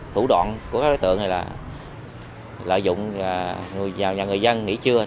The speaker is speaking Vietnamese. thủ đoạn của các đối tượng là lợi dụng nhà người dân nghỉ trưa